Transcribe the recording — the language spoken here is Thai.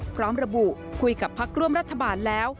พร้อมระบุคุยกับพักร่วมรัฐบาลแล้ว